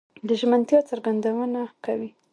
د ژمنتيا څرګندونه کوي؛